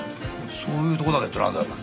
そういうとこだけってなんだよお前。